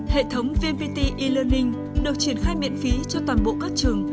hệ thống vnpt e learning được triển khai miễn phí cho toàn bộ các trường